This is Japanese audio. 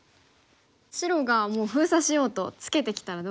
白がもう封鎖しようとツケてきたら。